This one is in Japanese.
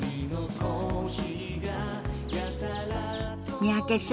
三宅さん。